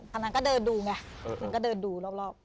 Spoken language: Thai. ตอนนั้นเขาก็เดินดูรอบ